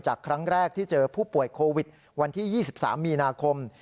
ครั้งแรกที่เจอผู้ป่วยโควิดวันที่๒๓มีนาคม